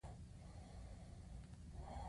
دوزخ د بدانو ځای دی